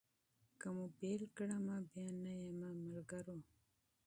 که مو بېل کړمه بیا نه یمه دوستانو